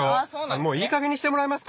もういいかげんにしてもらえますか。